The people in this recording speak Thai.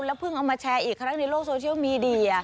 เพิ่งเอามาแชร์อีกครั้งในโลกโซเชียลมีเดีย